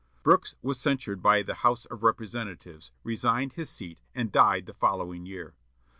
Brooks was censured by the House of Representatives, resigned his seat, and died the following year.